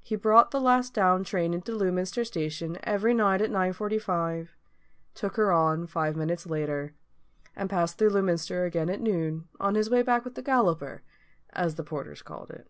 He brought the last down train into Lewminster station every night at 9.45, took her on five minutes later, and passed through Lewminster again at noon, on his way back with the Galloper, as the porters called it.